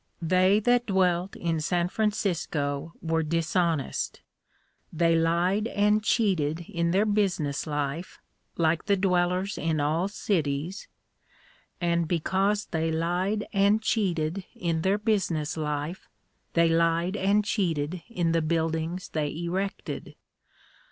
They that dwelt in San Francisco were dishonest. They lied and cheated in their business life (like the dwellers in all cities), and because they lied and cheated in their business life, they lied and cheated in the buildings they erected.